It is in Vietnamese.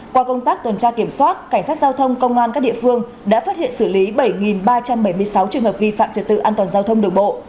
qua công tác tuần tra kiểm soát cảnh sát giao thông công an các địa phương đã phát hiện xử lý bảy ba trăm bảy mươi sáu trường hợp vi phạm trật tự an toàn giao thông đường bộ